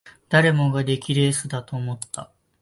誰もが出来レースだと思った